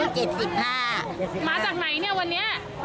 มาจากไหนเนี่ยวันนี้